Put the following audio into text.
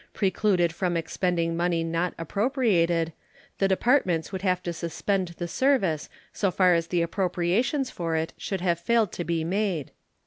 Precluded from expending money not appropriated, the Departments would have to suspend the service so far as the appropriations for it should have failed to be made.